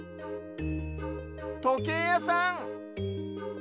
とけいやさん！